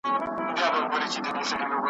د شعر مانا له شاعر سره وي `